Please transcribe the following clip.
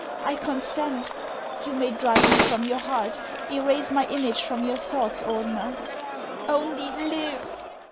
T consent, — you may drive me from your heart, erase my image from your thoughts, Ordener. Only live